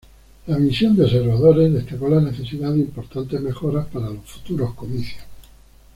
La misión de observadores destacó la necesidad de importantes mejoras para los futuros comicios.